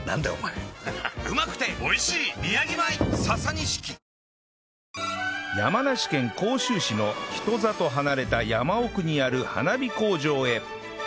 ニトリ山梨県甲州市の人里離れた山奥にある花火工場へ